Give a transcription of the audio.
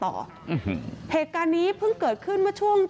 เหตุการณ์นี้เพิ่งเกิดขึ้นเมื่อช่วง